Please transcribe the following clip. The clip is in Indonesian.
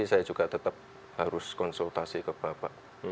saya juga tetap harus konsultasi ke bapak